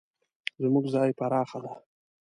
زموږ ځای پراخه ده